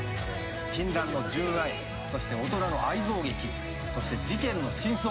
禁断の純愛大人の愛憎劇そして事件の真相。